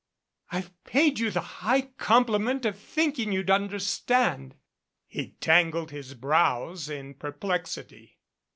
I've paid you the high compliment of thinking you'd understand." He tangled his brows in perplexity.